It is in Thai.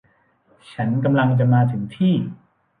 ฉันกำลังจะมาถึงที่